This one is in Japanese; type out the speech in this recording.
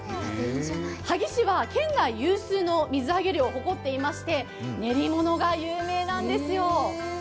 萩市は県内有数の水揚げ量を誇っていまして練り物が有名なんですよ。